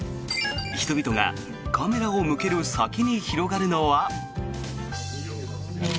人々がカメラを向ける先に広がるのは。